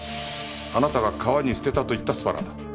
あなたが川に捨てたと言ったスパナだ。